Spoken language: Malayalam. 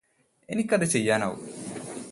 എനിക്കത് ചെയ്യാനാവും